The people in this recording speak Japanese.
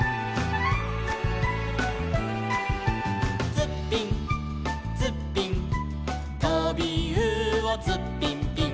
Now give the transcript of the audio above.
「ツッピンツッピン」「とびうおツッピンピン」